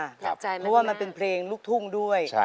เพราะว่ามันเป็นเพลงลูกทุ่งด้วย